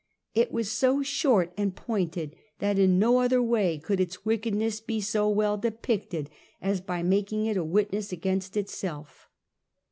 It was so short and pointed that in no other way could its wickedness be so well depicted as by making it a witness against itself.